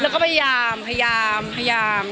ก็พยายาม